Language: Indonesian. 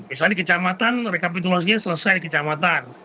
misalnya di kecamatan rekapitulasinya selesai kecamatan